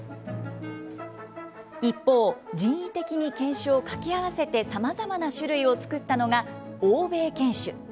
一方、人為的に犬種を掛け合わせて、さまざまな種類を作ったのが欧米犬種。